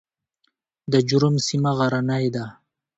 د جرم سیمه غرنۍ ده